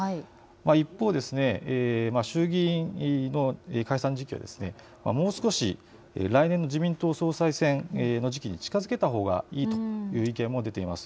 一方、衆議院の解散時期はもう少し来年の自民党総裁選の時期に近づけたほうがいいという意見も出ています。